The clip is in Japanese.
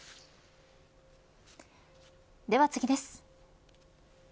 では次です。